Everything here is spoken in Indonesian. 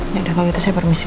ya udah kalau itu saya permisi